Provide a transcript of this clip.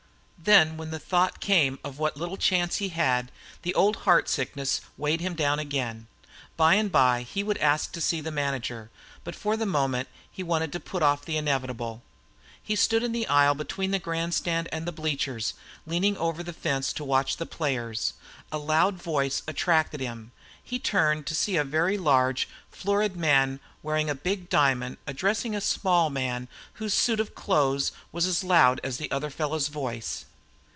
Then when the thought came of what little chance he had, the old heartsickness weighed him down again. By and by he would ask to see the manager, but for the moment he wanted to put off the inevitable. He stood in the aisle between the grandstand and bleachers, leaning over the fence to watch the players. A loud voice attracted him. He turned to see a very large, florid man, wearing a big diamond, addressing a small man whose suit of clothes was as loud as the other fellow's voice.